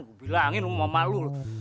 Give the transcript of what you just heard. aku bilang ini rumah makhluk